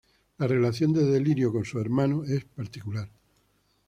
La relación de Delirio con sus hermanos es particular.